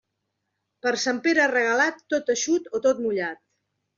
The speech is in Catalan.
Per Sant Pere Regalat, tot eixut o tot mullat.